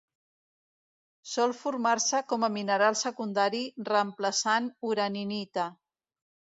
Sol formar-se com a mineral secundari reemplaçant uraninita.